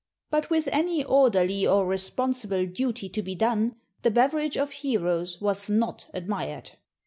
But with any orderly or responsible duty to be done, the beverage of heroes was not admired.